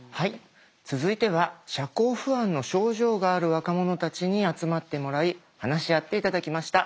続いては社交不安の症状がある若者たちに集まってもらい話し合って頂きました。